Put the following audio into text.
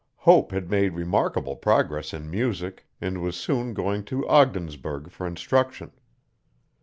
Hope had made remarkable progress in music and was soon going to Ogdensburg for instruction.